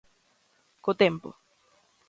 Co tempo.